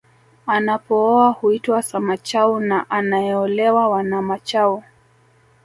Anapooa huitwa Samachau na anaeolewa Wanamachau